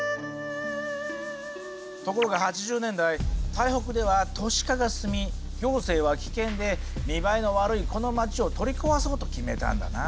ところが８０年代台北では都市化が進み行政は危険で見栄えの悪いこの町を取り壊そうと決めたんだな。